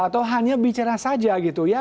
atau hanya bicara saja gitu ya